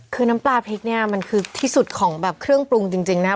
คือน้ำปลาพริกเนี่ยมันคือที่สุดของแบบเครื่องปรุงจริงนะ